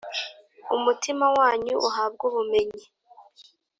umutima wanyu uhabwe ubumenyi,